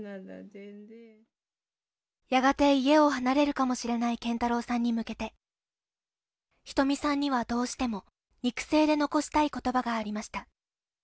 やがて家を離れるかもしれない謙太郎さんに向けて仁美さんにはどうしても肉声で残したい言葉がありました。